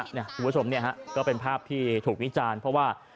คุณผู้ชมก็เป็นภาพที่ถูกวิจารณ์เพราะว่า